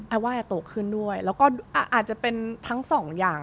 แอว่าแอโตขึ้นด้วยก็อาจจะเป็นทั้งสองอย่าง